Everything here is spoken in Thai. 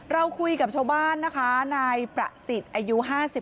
เราคุยกับชาวบ้านนะคะนายประสิทธิ์อายุ๕๓